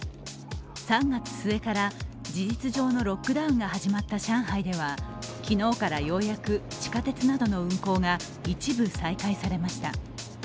３月末から事実上のロックダウンが始まった上海では昨日からようやく地下鉄などの運行が一部再開されました。